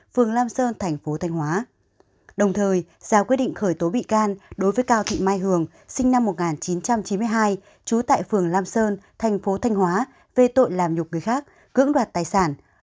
phường lam sơn thành phố thanh hóa đồng thời ra quyết định khởi tố bị can đối với cao thị mai hường sinh năm một nghìn chín trăm chín mươi hai trú tại phường lam sơn thành phố thanh hóa về tội làm nhục người khác cưỡng đoạt tài sản